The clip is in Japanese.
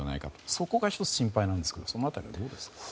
そこが１つ心配ですがその辺りはどうですか。